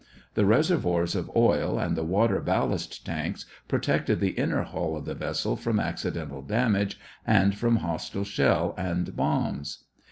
The reservoirs of oil and the water ballast tanks protected the inner hull of the vessel from accidental damage and from hostile shell and bombs.